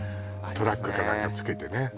トラックかなんかつけてね